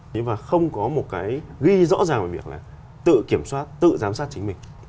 nhưng mà không có một cái ghi rõ ràng về việc là tự kiểm soát tự giám sát chính mình